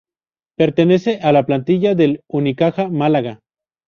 Pertenece a la plantilla del Unicaja Málaga.